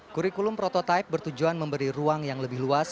kurikulum prototipe bertujuan memberi ruang yang lebih luas